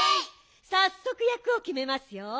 さっそくやくをきめますよ。